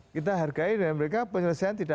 kita hargai dan mereka penyelesaian tidak